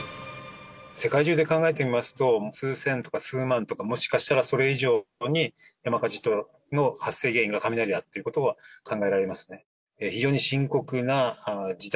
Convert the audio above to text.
世界中で考えてみますと数千とか数万とかもしかしたらそれ以上に山火事の発生原因が雷だっていう事は考えられますね。